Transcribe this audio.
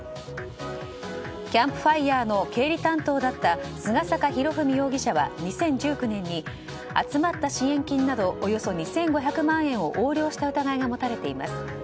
キャンプファイヤーの経理担当だった菅坂博史容疑者は２０１９年に集まった支援金などおよそ２５００万円を横領した疑いが持たれています。